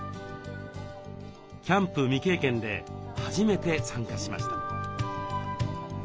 キャンプ未経験で初めて参加しました。